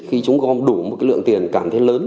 khi chúng gom đủ một lượng tiền cảm thấy lớn